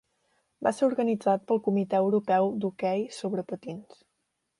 Va ser organitzat pel Comitè Europeu d'Hoquei sobre patins.